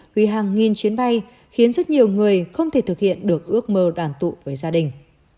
hủy hàng nghìn chuyến bay khiến rất nhiều người không thể thực hiện được ước mơ đoàn tụ với gia đình